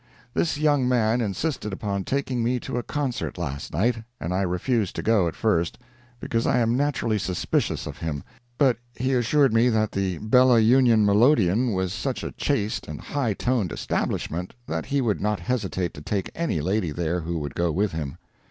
This young man insisted upon taking me to a concert last night, and I refused to go at first, because I am naturally suspicious of him, but he assured me that the Bella Union Melodeon was such a chaste and high toned establishment that he would not hesitate to take any lady there who would go with him.